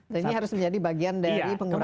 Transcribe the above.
jadi ini harus menjadi bagian dari pengurangan emisi ya